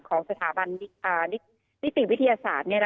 ของสถาบันนิติวิทยาศาสตร์